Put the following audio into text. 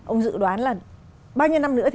ông dự đoán là bao nhiêu năm nữa